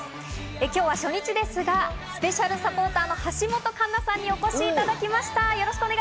今日は初日ですが、スペシャルサポーターの橋本環奈さんにお越しいただきました。